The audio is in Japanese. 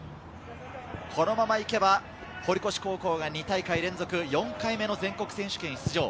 このまま行けば堀越高校が２大会連続４回目の全国選手権出場。